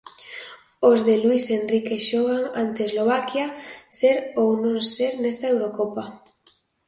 Os de Luís Enrique xogan ante Eslovaquia ser ou non ser nesta Eurocopa.